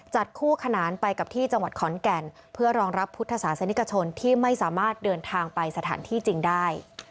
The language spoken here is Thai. คู่ขนานไปกับที่จังหวัดขอนแก่นเพื่อรองรับพุทธศาสนิกชนที่ไม่สามารถเดินทางไปสถานที่จริงได้